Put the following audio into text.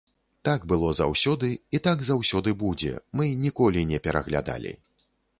Так было заўсёды і так заўсёды будзе, мы ніколі не пераглядалі.